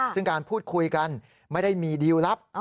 ซึ่งการพูดคุยกันไม่ได้มีดีลลับ